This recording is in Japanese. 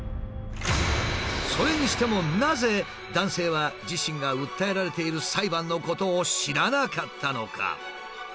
それにしてもなぜ男性は自身が訴えられている裁判のことを知らなかったのか？